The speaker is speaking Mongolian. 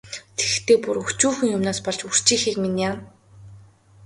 Тэгэхдээ бүр өчүүхэн юмнаас болж үрчийхийг минь яана.